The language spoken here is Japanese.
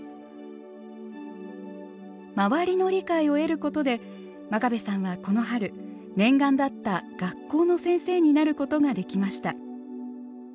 周りの理解を得ることで真壁さんはこの春念願だった学校の先生になることができました。